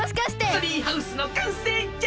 ツリーハウスのかんせいじゃ！